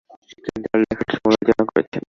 তিনি তার লেখায় সমালোচনা করেছেন।